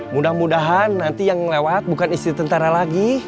mudah mudahan nanti yang lewat bukan istri tentara lagi